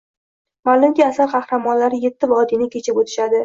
Ma’lumki, asar qahramonlari yetti vodiyni kechib o’tishadi.